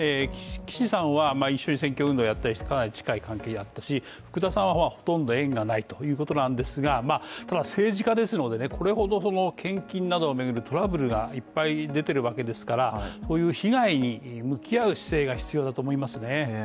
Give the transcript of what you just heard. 岸さんは一緒に選挙運動をやってかなり近い関係だったし福田さんはほとんど縁がないということなんですが政治家ですのでこれほど献金などを巡るトラブルがいっぱい出ているわけですから、こういう被害に向き合う姿勢が必要だと思いますね。